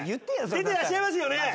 出てらっしゃいますよね？